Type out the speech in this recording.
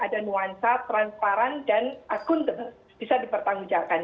dan akun bisa dipertanggungjakan